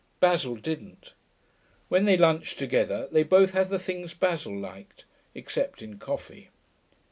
Basil didn't. When they lunched together they both had the things Basil liked, except in coffee.